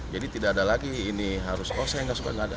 jadi tidak ada lagi ini harus oh saya gak suka gak ada